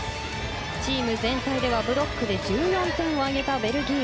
チーム全体ではブロックで１４点を挙げたベルギー。